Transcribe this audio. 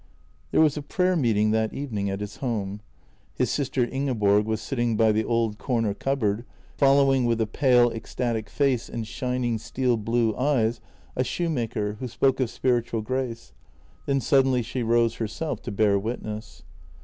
There was a prayer meeting that evening at his home. His sister Ingeborg was sitting by the old corner cupboard, follow ing with a pale, ecstatic face and shining steel blue eyes a shoe JENNY 301 maker, who spoke of spiritual grace; then suddenly she rose herself to bear witness.